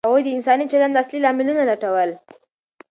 هغوی د انساني چلند اصلي لاملونه لټول.